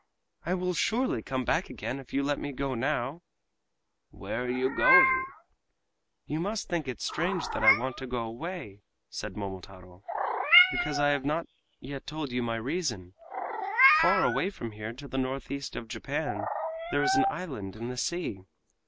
"I will surely come back again, if you let me go now!" "Where are you going?" "You must think it strange that I want to go away," said Momotaro, "because I have not yet told you my reason. Far away from here to the northeast of Japan there is an island in the sea.